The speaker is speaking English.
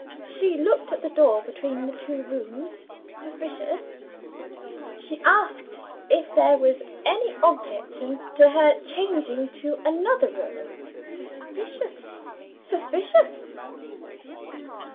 She looked at the door between the two rooms suspicious! She asked if there was any objection to her changing to another room suspicious! suspicious!